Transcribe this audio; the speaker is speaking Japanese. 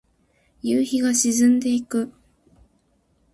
夕日が沈んでいく。